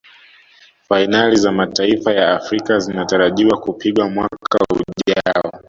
fainali za mataifa ya afrika zinatarajiwa kupigwa mwaka ujao